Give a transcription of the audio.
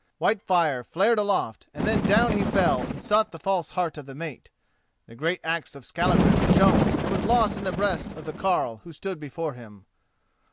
Whitefire flared aloft, then down he fell and sought the false heart of the mate. The great axe of Skallagrim shone and was lost in the breast of the carle who stood before him.